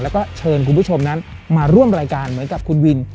แล้วก็เชิญคุณผู้ชมนั้นมาร่วมรายการเหมือนกับคุณวิน